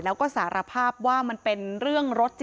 แล้วก็สารภาพว่ามันเป็นเรื่องรถจริง